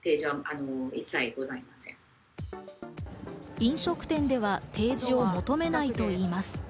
飲食店では提示を求めないといいます。